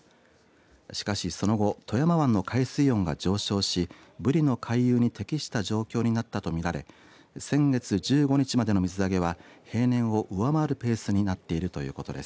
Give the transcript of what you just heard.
しかし、その後富山湾の海水温が上昇しぶりの回遊に適した状況になったと見られ先月１５日までの水揚げは平年を上回るペースになっているということです。